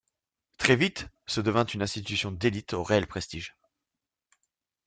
Très vite, ce devint une institution d'élite au réel prestige.